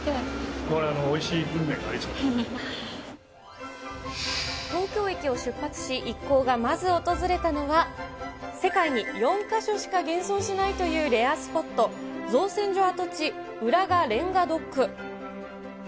向こうにおいしいグルメがあ東京駅を出発し、一行がまず訪れたのは、世界に４か所しか現存しないというレアスポット、造船所跡地、浦賀レンガドック。